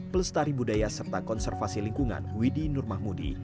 pelestari budaya serta konservasi lingkungan widy nurmahmudi